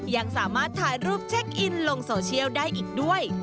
ยังสามารถถ่ายรูปเช็คอินลงโซเชียลได้อีกด้วย